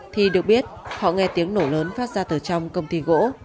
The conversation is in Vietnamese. thì được biết họ nghe tiếng nổ lớn phát ra từ trong công ty gỗ